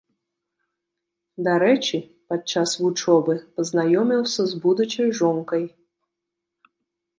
Дарэчы, падчас вучобы пазнаёміўся з будучай жонкай.